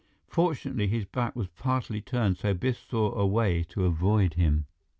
Fortunately, his back was partly turned, so Biff saw a way to avoid him.